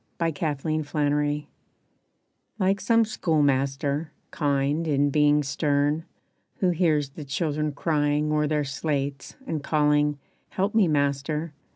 =Unanswered Prayers= Like some school master, kind in being stern, Who hears the children crying o'er their slates And calling, "Help me master!"